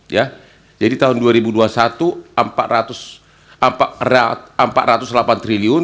ya jadi tahun dua ribu dua puluh satu empat ratus delapan triliun